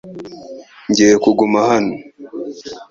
Ngiye kuguma hano .